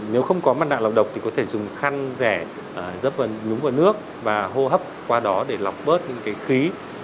nếu không có mặt nạ lọc độc thì có thể dùng khăn rẻ dấp vào nhúng vào nước và hô hấp qua đó để lọc bớt những khí